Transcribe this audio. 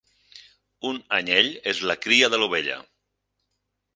Un anyell és la cria de l'ovella.